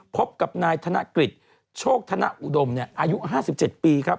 พบกับนายธนกฤษโชคธนอุดมอายุ๕๗ปีครับ